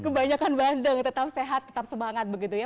kebanyakan bandeng tetap sehat tetap semangat begitu ya